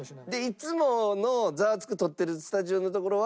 いつもの『ザワつく！』撮ってるスタジオの所は割とこう。